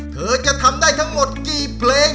เธอจะทำได้ทั้งหมดกี่เพลง